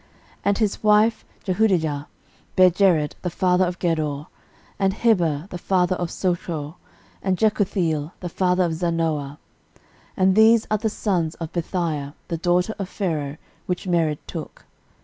13:004:018 And his wife Jehudijah bare Jered the father of Gedor, and Heber the father of Socho, and Jekuthiel the father of Zanoah. And these are the sons of Bithiah the daughter of Pharaoh, which Mered took.